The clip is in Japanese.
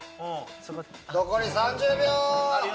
残り３０秒。